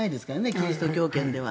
キリスト教圏では。